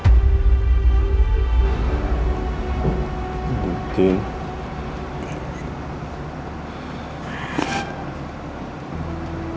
kami sedang datang disini